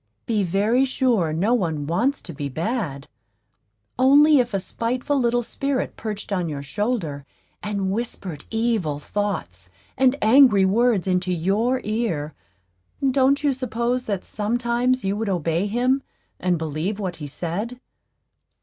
Be very sure no one wants to be bad; only if a spiteful little spirit perched on your shoulder, and whispered evil thoughts and angry words into your ear, don't you suppose that sometimes you would obey him and believe what he said?